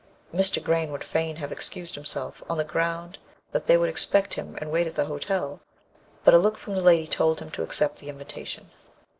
Mr. Green would fain have excused himself, on the ground that they would expect him and wait at the hotel, but a look from the lady told him to accept the invitation.